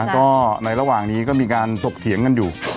ก็ในระหว่างนี้ก็มีการถกเถียงกันอยู่